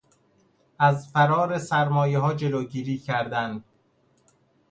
از فرار سرمایهها جلوگیری کردن